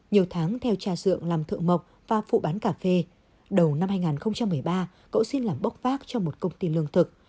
nhiều tháng theo tràng làm thượng mộc và phụ bán cà phê đầu năm hai nghìn một mươi ba cậu xin làm bốc vác cho một công ty lương thực